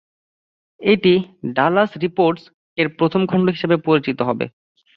এটি "Dallas Reports" এর প্রথম খণ্ড হিসাবে পরিচিত হবে।